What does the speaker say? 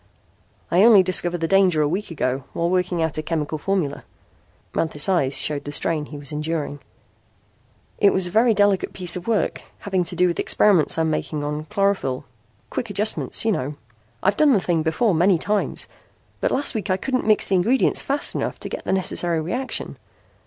'" "I only discovered the danger a week ago while working out a chemical formula." Manthis' eyes showed the strain he was enduring. "It was a very delicate piece of work having to do with experiments I am making on chlorophyl quick adjustments, you know. I'd done the thing before many times, but last week I couldn't mix the ingredients fast enough to get the necessary reaction.